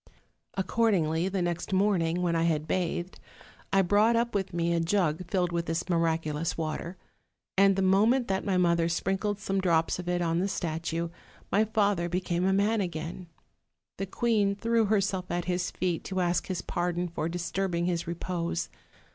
Ac cordingly, the next morning, when I had bathed, I brought up with me a jug filled with this miraculous water; and the moment that my mother sprinkled some drops of it on the statue, my father became a man again. The queen threw herself at his feet, to ask his pardon for disturbing his repose.